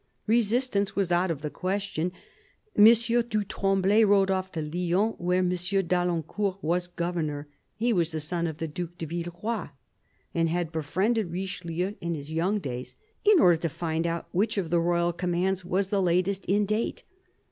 Resistance was out of the question. M. du Tremblay rode off to Lyons, where M. d'Alincourt was governor — he was the son of the Due de Villeroy, and had befriended Richelieu in his young days — in order to find out which of the royal commands was the latest in date.